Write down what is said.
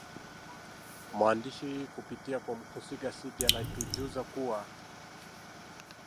Mwandishi kupitia kwa mhusika Sidi anatujuza kuwa